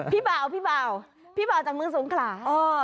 พี่บ่าวจากมือสุงขรา